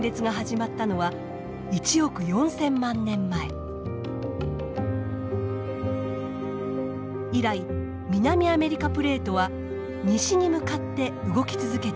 以来南アメリカプレートは西に向かって動き続けています。